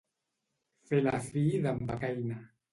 Fer la fi d'en Becaina.